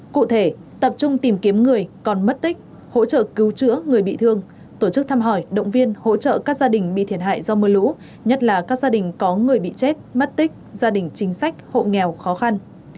cụ thể tập trung tìm kiếm người còn mất tích hỗ trợ cứu chữa người bị thương tổ chức thăm hỏi động viên hỗ trợ các gia đình bị thiệt hại do mưa lũ nhất là các gia đình có người bị chết mất tích gia đình chính sách hộ nghèo khó khăn